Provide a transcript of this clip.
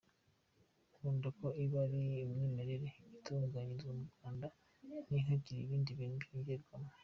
Nkunda ko iba ari umwimerere, itunganyirizwa mu Rwanda ntihagire ibindi bintu bongeramo”.